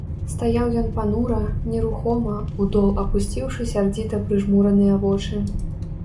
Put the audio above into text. Стаяў ён панура, нерухома, у дол апусціўшы сярдзіта прыжмураныя вочы.